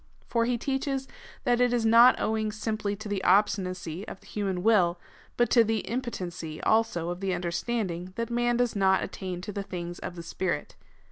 For he teaches, that it is not owing simply to the obstinacy of the human will, but to the impotency, also, of the understanding, that man does not attain to the things of the Spirit.